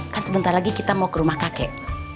kan sebentar lagi kita mau ke rumah kakek